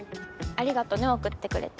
ありがとうね送ってくれて。